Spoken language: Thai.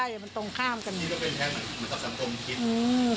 นี่ก็เป็นแค่เหมือนทัพสัมภาษณ์คิด